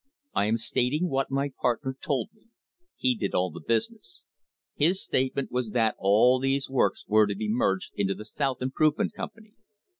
I am stating what my partner told me; he did all the business; his statement was that all these works were to be merged into the South Improvement Company.